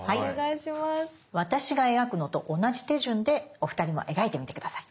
私が描くのと同じ手順でお二人も描いてみて下さい。